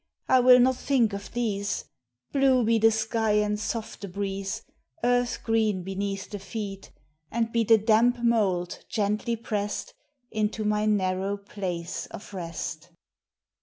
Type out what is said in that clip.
I will not think of these — Blue be the sky and soft the breeze, Earth green beneath the feet, And be the damp mould gently pressed Into my narrow place of rest.